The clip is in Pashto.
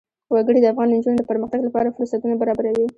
وګړي د افغان نجونو د پرمختګ لپاره فرصتونه برابروي.